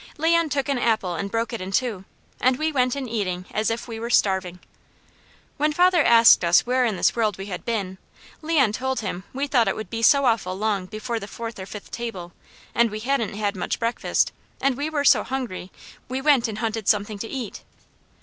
Leon took an apple and broke it in two, and we went in eating as if we were starving. When father asked us where in this world we had been, Leon told him we thought it would be so awful long before the fourth or fifth table, and we hadn't had much breakfast, and we were so hungry we went and hunted something to eat.